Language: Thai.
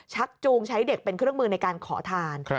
ชักจูงใช้เด็กเป็นเครื่องมือในการขอทาน